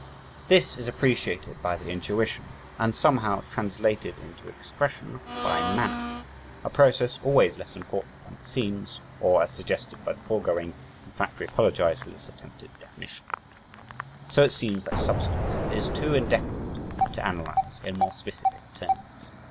This is appreciated by the intuition, and somehow translated into expression by "manner" a process always less important than it seems, or as suggested by the foregoing (in fact we apologize for this attempted definition). So it seems that "substance" is too indefinite to analyze, in more specific terms.